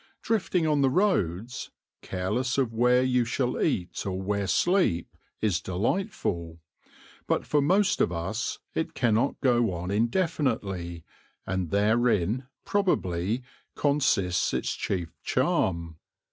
Drifting on the roads, careless of where you shall eat or where sleep, is delightful, but for most of us it cannot go on indefinitely, and therein, probably, consists its chief charm.